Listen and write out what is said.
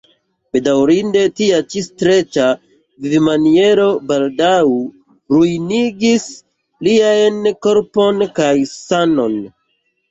Bedaŭrinde tia ĉi streĉa vivmaniero baldaŭ ruinigis liajn korpon kaj sanon.